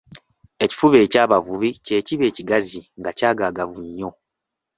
Ekifuba eky'abavubi kye kiba ekigazi nga kyagaagavu nnyo.